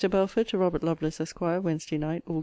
BELFORD, TO ROBERT LOVELACE, ESQ. WEDNESDAY NIGHT, AUG.